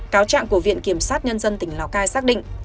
cáo trạng của viện kiểm sát nhân dân tỉnh lào cai xác định